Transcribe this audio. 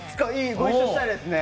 ご一緒したいですね。